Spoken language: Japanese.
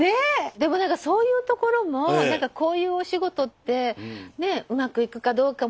でも何かそういうところも何かこういうお仕事ってねえうまくいくかどうかも分からない。